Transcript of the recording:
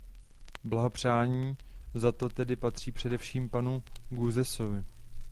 Blahopřání za to tedy patří především panu Gauzèsovi.